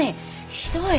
ひどい！